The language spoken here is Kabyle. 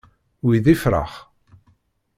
Wi d ifṛax.